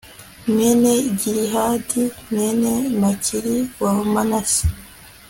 mwene gilihadi, mwene makiri wa manase